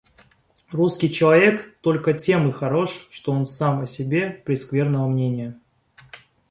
Русский человек только тем и хорош, что он сам о себе прескверного мнения.